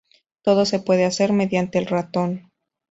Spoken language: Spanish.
Todo se puede hacer mediante el ratón.